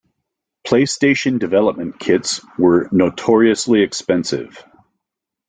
PlayStation development kits were notoriously expensive.